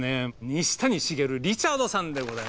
西谷茂リチャードさんでございます。